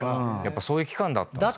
そういう期間だったんですかね。